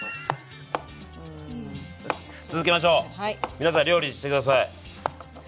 皆さん料理して下さい。